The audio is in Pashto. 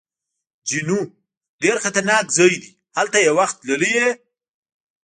جینو: ډېر خطرناک ځای دی، هلته یو وخت تللی یې؟